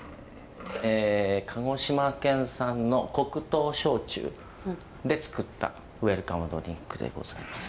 鹿児島県産の黒糖焼酎で作ったウェルカムドリンクでございます。